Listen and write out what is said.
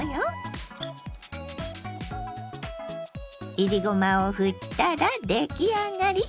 いりごまをふったら出来上がり。